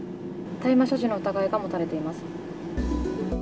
大麻所持の疑いが持たれています。